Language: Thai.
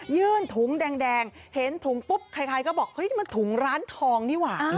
ยื่นถุงแดงเห็นถุงปุ๊บใครก็บอกเฮ้ยมันถุงร้านทองนี่หว่า